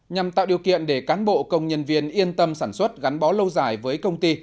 nhằm tạo điều kiện để cán bộ công nhân viên yên tâm sản xuất gắn bó lâu dài với công ty